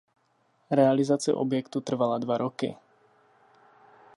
Realizace objektu trvala dva roky.